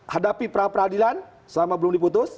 hadapi pra peradilan selama belum diputus